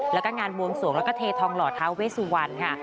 แล้วก็งานบวงสวงแล้วก็เททองหล่อท้าเวสุวรรณค่ะ